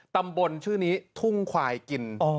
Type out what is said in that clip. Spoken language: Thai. ตำบลชื่อนี้ทุ่งควายกิน